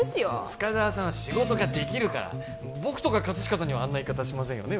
深沢さんは仕事ができるから僕とか葛飾さんにはあんな言い方しませんよね